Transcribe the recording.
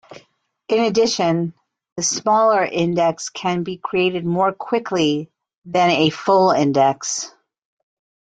In addition, the smaller index can be created more quickly than a full index.